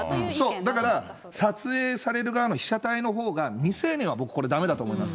そう、だから、撮影される側の被写体のほうが未成年は僕、これ、だめだと思います。